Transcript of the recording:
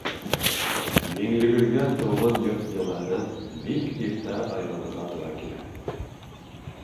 Миңлегөлгә тыуған йорт йылыһынан бик иртә айырылырға тура килә.